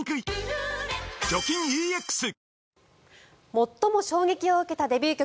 最も衝撃を受けたデビュー曲